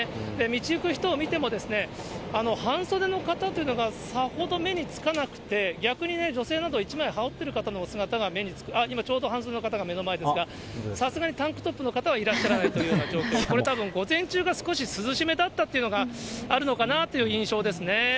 道行く人を見ても、半袖の方というのがさほど目につかなくて、逆にね、女性など１枚羽織ってる方のお姿が目につく、今、ちょうど半袖の方が目の前ですが、さすがにタンクトップの方はいらっしゃらないというような状況、これたぶん、午前中が少し涼し目だったというのがあるのかなという印象ですね。